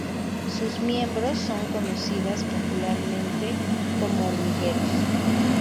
Sus miembros son conocidas popularmente como hormigueros.